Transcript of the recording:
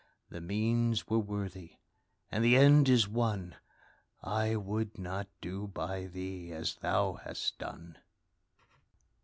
The means were worthy, and the end is won I would not do by thee as thou hast done!